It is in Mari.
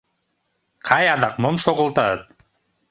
Кай, адак мом шогылтат?